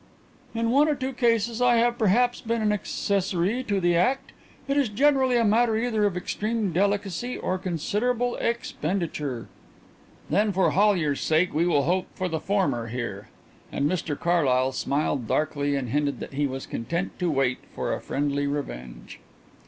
"In one or two cases I have perhaps been an accessory to the act. It is generally a matter either of extreme delicacy or considerable expenditure." "Then for Hollyer's sake we will hope for the former here." And Mr Carlyle smiled darkly and hinted that he was content to wait for a friendly revenge.